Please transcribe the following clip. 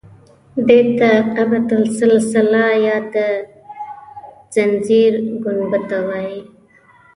دې ته قبة السلسله یا د زنځیر ګنبده وایي.